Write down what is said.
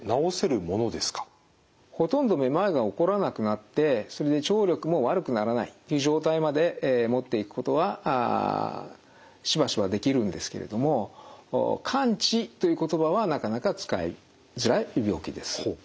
ほとんどめまいが起こらなくなってそれで聴力も悪くならないっていう状態まで持っていくことはしばしばできるんですけれども完治という言葉はなかなか使いづらいという病気です。